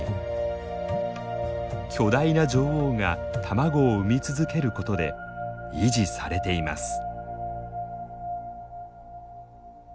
巨大な女王が卵を産み続けることで維持されています。